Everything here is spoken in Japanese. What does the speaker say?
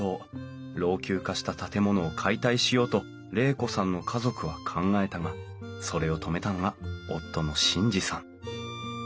老朽化した建物を解体しようと玲子さんの家族は考えたがそれを止めたのが夫の眞二さん。